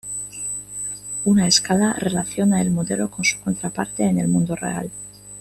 Una escala relaciona el modelo con su contraparte en el mundo real.